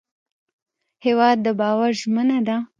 هېواد د باور ژمنه ده.